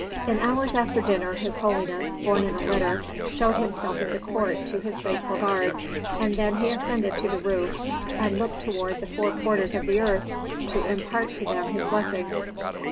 In hours after dinner his holiness, borne in a litter, showed himself in the court to his faithful guard, and then he ascended to the roof and looked toward the four quarters of the earth, to impart to them his blessing.